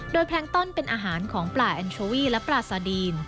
โดยแพลงต้นเป็นอาหารของปลาแอนโชวี่และปลาซาดีน